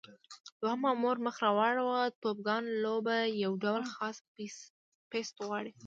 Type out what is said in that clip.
دوهم مامور مخ را واړاوه: توبوګان لوبه یو ډول خاص پېست غواړي.